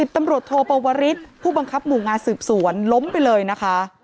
ตำรวจโทปวริสผู้บังคับหมู่งานสืบสวนล้มไปเลยนะคะ